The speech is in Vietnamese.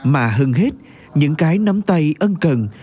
mà hơn hết những cái nắm tay ân tâm